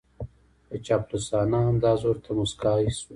په چاپلوسانه انداز ورته موسکای شو